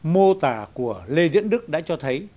mô tả của lê diễn đức đã cho thấy